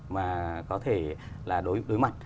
mà có thể là đối mặt